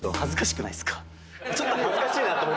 ちょっと恥ずかしいなと僕。